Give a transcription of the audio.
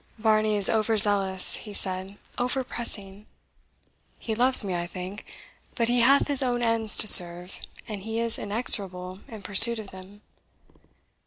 "Varney is over zealous," he said, "over pressing. He loves me, I think; but he hath his own ends to serve, and he is inexorable in pursuit of them.